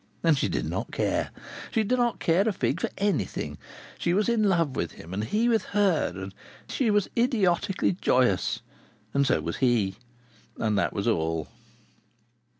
And she did not care. She did not care a fig for anything. She was in love with him, and he with her, and she was idiotically joyous, and so was he. And that was all.